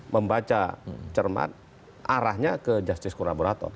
membaca cermat arahnya ke jasis kolaborator